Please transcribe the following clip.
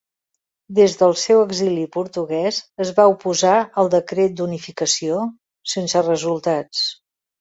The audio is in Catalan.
Des del seu exili portuguès es va oposar al Decret d'Unificació, sense resultats.